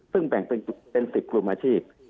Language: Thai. ซึ่งแบ่งเป็น๑๐กลุ่มอาชีพ